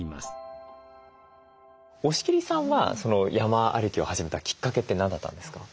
押切さんは山歩きを始めたきっかけって何だったんですか？